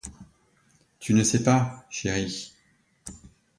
Tu ne sais pas, chéri.